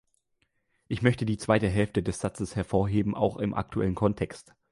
Ich möchte die zweite Hälfte des Satzes hervorheben, auch im aktuellen Kontext.